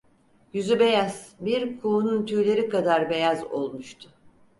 Yüzü beyaz, bir kuğunun tüyleri kadar beyaz olmuştu.